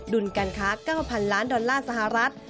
ลการค้า๙๐๐ล้านดอลลาร์สหรัฐ